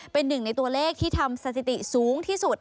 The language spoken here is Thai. เป็นหนึ่งในตัวเลขที่ทำสถิติสูงที่สุด